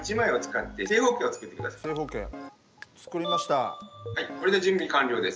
はいこれで準備完了です。